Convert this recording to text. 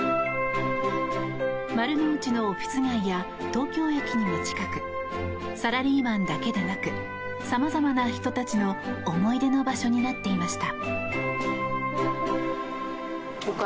丸の内のオフィス街や東京駅にも近くサラリーマンだけでなく様々な人たちの思い出の場所になっていました。